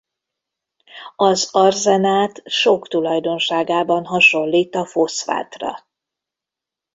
Az arzenát sok tulajdonságában hasonlít a foszfátra.